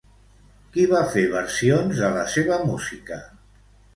Qui va fer versions de la seva música?